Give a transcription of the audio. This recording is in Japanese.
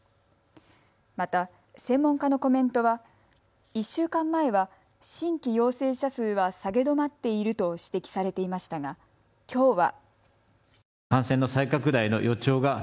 また専門家のコメントは１週間前は新規陽性者数は下げ止まっていると指摘されていましたがきょうは。